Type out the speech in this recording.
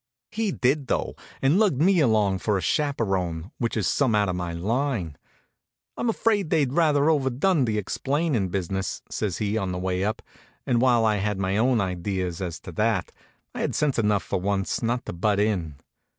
He did though, and lugged me along for a chaperone, which is some out of my line. "I'm afraid they've rather overdone the explaining business," says he on the way up; and while I had my own idea as to that, I had sense enough, for once, not to butt in.